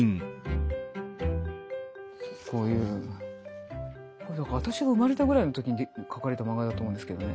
こういう私が生まれたぐらいの時に描かれた漫画だと思うんですけどね。